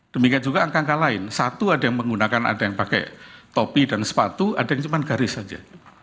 demikian juga angka angka lain satu ada yang menggunakan ada yang pakai topi dan sepatu ada yang cuma garis saja